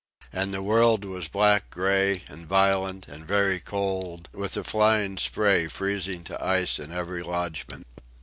And the world was black gray, and violent, and very cold, with the flying spray freezing to ice in every lodgment.